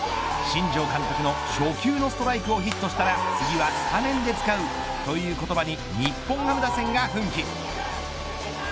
新庄監督の初球のストライクをヒットしたら次はスタメンで使うという言葉に日本ハム打線が奮起。